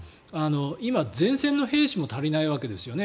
今、前線の兵士も足りないわけですよね。